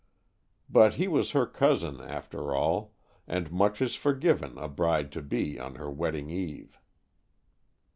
But he was her cousin, after all, and much is forgiven a bride to be on her wedding eve.